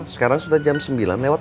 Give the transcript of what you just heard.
sekarang sudah jam sembilan lewat